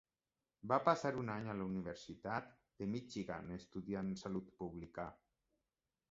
Va passar un any a la Universitat de Michigan estudiant salut pública.